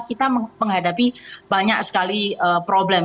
kita menghadapi banyak sekali problem